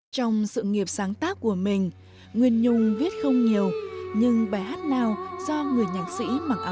tới chiếc võng thầm